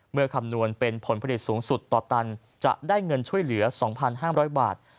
คำนวณเป็นผลผลิตสูงสุดต่อตันจะได้เงินช่วยเหลือ๒๕๐๐บาท